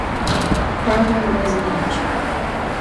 Provo is an image.